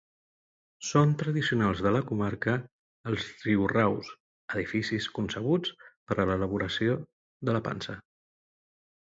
Són tradicionals de la comarca els riuraus, edificis concebuts per a l'elaboració de la pansa.